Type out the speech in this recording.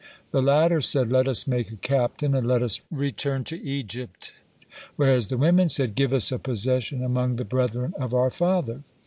The latter said, "Let us make a captain, and let us return to Egypt," whereas the women said, "Give us a possession among the brethren of our father."